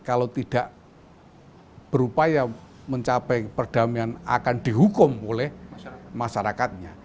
kalau tidak berupaya mencapai perdamaian akan dihukum oleh masyarakatnya